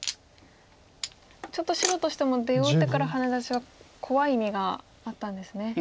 ちょっと白としても出を打ってからハネ出しは怖い意味があったんですね。